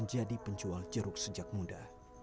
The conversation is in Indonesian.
jadi penjual jeruk sejak muda